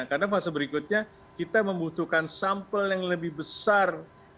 karena fase berikutnya kita membutuhkan sampel yang lebih besar